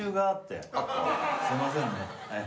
すいませんねええ